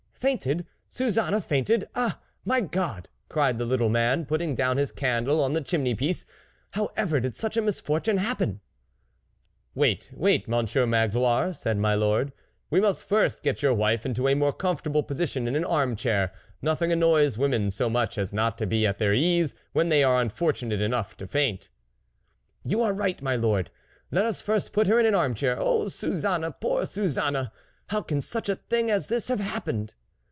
" Fainted ! Suzanne fainted ! Ah ! my God !" cried the little man, putting down his candle on the chimney piece, " how ever did such a misfortune happen ?"" Wait, wait, Monsieur Magloire !" said my lord, " we must first get your wife into a more comfortable position in an armchair ; nothing annoys women so much as not to be at their ease when they are unfortunate enough to faint." " You are right, my lord ; let us first put her in the armchair. .. Oh Suzanne ! poor Suzanne ! How can such a thing as this have happened